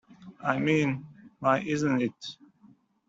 I mean, why isn't it?